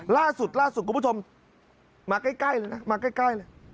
ล่าสุดกลุ่มผู้ชมมาใกล้ละนะมาใกล้ละ